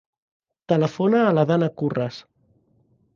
Telefona a la Dana Curras.